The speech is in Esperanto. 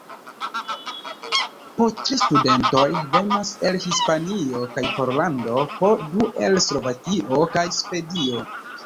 Po tri studentoj venas el Hispanio kaj Pollando, po du el Slovakio kaj Svedio.